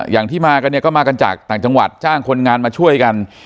อย่างที่มากันเนี่ยก็มากันจากต่างจังหวัดจ้างคนงานมาช่วยกัน